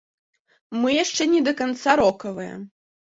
Мы яшчэ не да канца рокавыя.